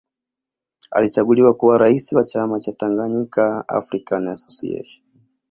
Alichaguliwa kuwa raisi wa chama cha Tanganyika African Association